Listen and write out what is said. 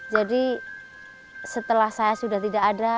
jadi setelah saya sudah tidak ada